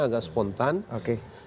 agak spontan oke